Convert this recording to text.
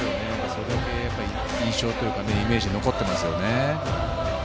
それだけ印象というかイメージが残っていますよね。